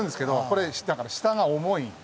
これだから下が重い。